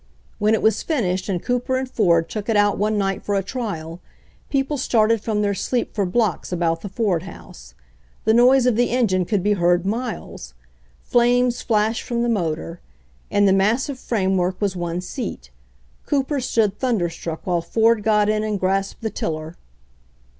When it was finished and Cooper and Ford took it out one night for a trial, people started from their sleep for blocks about the Ford house. The noise of the engine could be heard miles. Flames flashed from the motor. In the massive framework was one seat. Cooper stood thunderstruck while Ford got in and grasped the tiller.